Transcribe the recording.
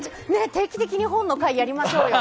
定期的に本の回やりましょうよ。